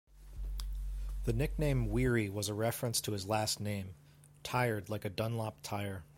The nickname "Weary" was a reference to his last name-"tired" like a Dunlop tyre.